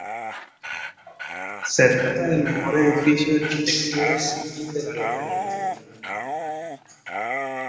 Se trata del mejor edificio de arquitectura civil de la localidad.